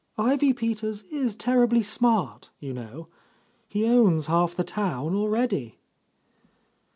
Ivy Peters is terribly smart, you know. He owns half the town already."